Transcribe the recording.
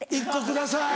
１個ください。